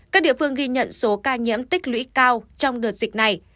các địa phương ghi nhận số ca nhiễm tích lũy cao trong đợt dịch này